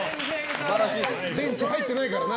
電池入ってないからね。